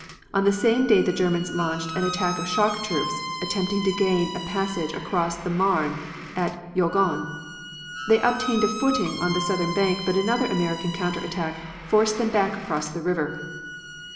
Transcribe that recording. On the same day the Germans launched an attack of shock troops, attempting to gain a passage across the Marne at Jaulgonne. They obtained a footing on the southern bank but another American counter attack forced them back across the river.